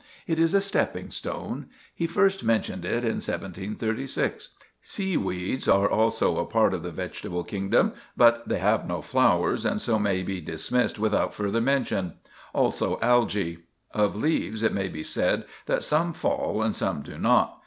It is a stepping stone. He first mentioned it in 1736. Seaweeds are also a part of the vegetable kingdom, but they have no flowers, and so may be dismissed without further mention. Also Algæ. Of leaves, it may be said that some fall and some do not.